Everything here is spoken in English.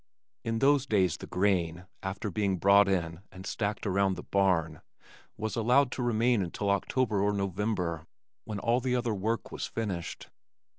In those days the grain, after being brought in and stacked around the barn, was allowed to remain until October or November when all the other work was finished.